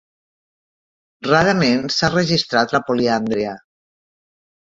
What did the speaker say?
Rarament s'ha registrat la poliàndria.